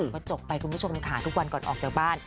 ก็จบไปคุณผู้ชมค่ะทุกวันก่อนออกจากบ้าน